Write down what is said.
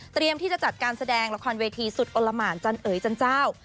ที่จะจัดการแสดงละครเวทีสุดอลละหมานจันเอ๋ยจันเจ้า